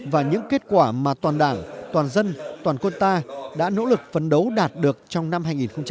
và những kết quả mà toàn đảng toàn dân toàn quân ta đã nỗ lực phấn đấu đạt được trong năm hai nghìn hai mươi